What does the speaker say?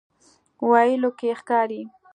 ویلو کې ښکاري.